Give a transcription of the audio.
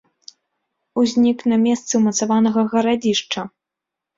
Узнік на месцы ўмацаванага гарадзішча.